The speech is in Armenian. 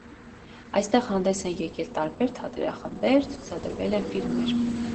Այստեղ հանդես են եկել տարբեր թատերախմբեր, ցուցադրվել են ֆիլմեր։